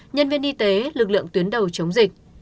nhân viên y tế lực lượng tuyến đầu chống dịch